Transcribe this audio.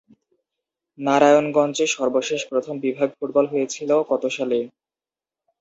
নারায়ণগঞ্জে সর্বশেষ প্রথম বিভাগ ফুটবল হয়েছিল কত সালে?